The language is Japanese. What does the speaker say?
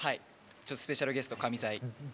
スペシャルゲスト神サイ。